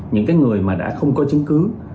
những cái người mà đã không có chứng cứ